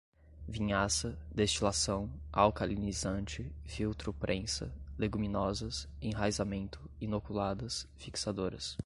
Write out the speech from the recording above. vinhaça, destilação, alcalinizante, filtro prensa, leguminosas, enraizamento, inoculadas, fixadoras